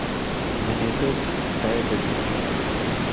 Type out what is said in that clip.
Menezes died at the scene.